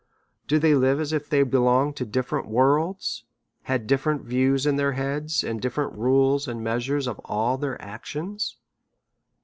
Do they live as if they belonged to different worlds, had different views in their heads, and different rules and measures of all their actions?